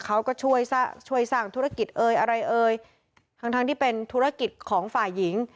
เขาก็ช่วยช่วยสร้างธุรกิจเอ่ยอะไรเอ่ยทั้งทั้งที่เป็นธุรกิจของฝ่ายหญิง